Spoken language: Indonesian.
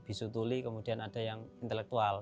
bisu tuli kemudian ada yang intelektual